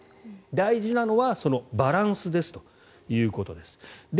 大事なのはそのバランスですということです。